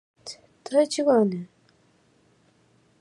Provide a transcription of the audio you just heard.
Mendes called it "one of the most special songs" he had ever written.